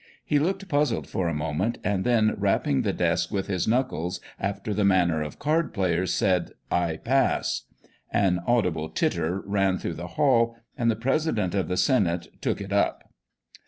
He looked puzzled for a moment, and then rapping the desk with his knuckles after the manner of card players, said, " I pass !" An audible titter ran through, the hall, and the president of the senate " took it up."